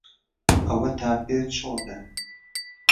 ئەوەتان پێ چۆنە؟